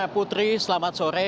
putri selamat sore